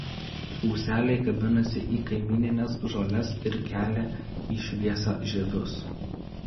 Ūseliai kabinasi į kaimynines žoles ir kelia į šviesą žiedus.